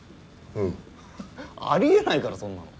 うん。ありえないからそんなの。